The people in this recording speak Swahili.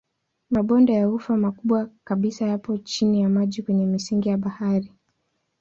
Mabonde ya ufa makubwa kabisa yapo chini ya maji kwenye misingi ya bahari.